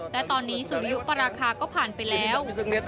และตอนนี้สุริยุปราคาก็ผ่านไปแล้ว